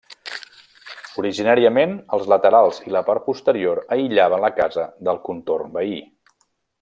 Originàriament els laterals i la part posterior aïllaven la casa del contorn veí.